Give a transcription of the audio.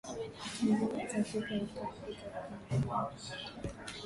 ni vyema sasa afrika ikangalia mustakabali